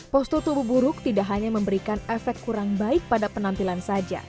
postur tubuh buruk tidak hanya memberikan efek kurang baik pada penampilan saja